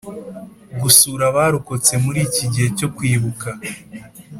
Gusura abarokotsemuri iki gihe cyo kwibuka